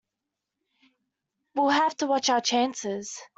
We'll have to watch our chances.